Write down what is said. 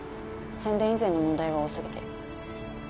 宣伝以前の問題が多すぎて。